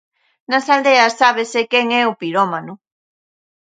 Nas aldeas sábese quen é o pirómano.